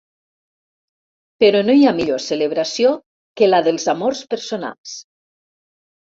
Però no hi ha millor celebració que la dels amors personals.